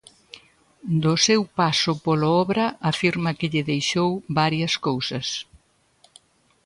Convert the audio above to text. Do seu paso polo Obra afirma que lle deixou varias cousas.